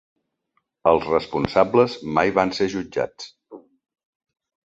Els responsables mai van ser jutjats.